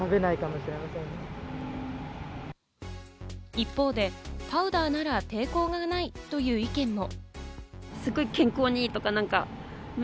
一方でパウダーなら抵抗がないという意見も。